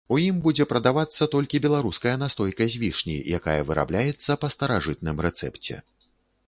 У ім будзе прадавацца толькі беларуская настойка з вішні, якая вырабляецца па старажытным рэцэпце.